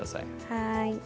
はい。